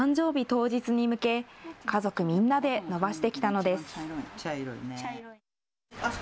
当日に向け家族みんなで伸ばしてきたのです。